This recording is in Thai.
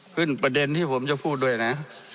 ประเด็นที่ผมจะพูดด้วยนะ